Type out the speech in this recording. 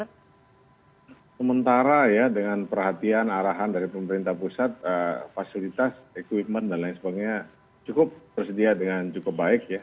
sementara ya dengan perhatian arahan dari pemerintah pusat fasilitas equipment dan lain sebagainya cukup tersedia dengan cukup baik ya